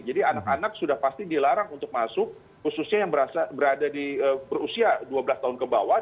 jadi anak anak sudah pasti dilarang untuk masuk khususnya yang berusia dua belas tahun ke bawah